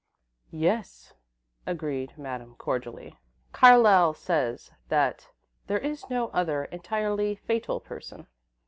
"Yes," agreed Madame, cordially. "Carlyle says that 'there is no other entirely fatal person.'"